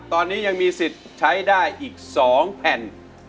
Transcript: ตอนนี้ยังมีสิทธิ์ใช้ได้อีก๒แผ่น